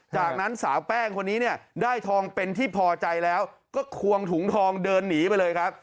จากนั้นสาวแป้งคนนี้เนี่ยได้ทองเป็นที่พอใจแล้วก็ควงถุงทองเดินหนีไปเลยครับ